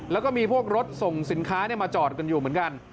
แล้วก็มีพวกรถส่งสินค้ามาจอดกันอยู่เหมือนกัน